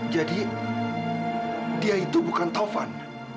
jadi dia itu bukan taufan